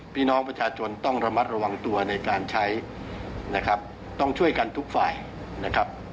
พี่น้องประชาชนต้องระมัดระวังตัวในการใช้นะครับต้องช่วยกันทุกฝ่ายนะครับ